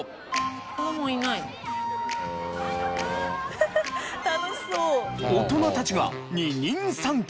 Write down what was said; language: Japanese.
フフッ楽しそう。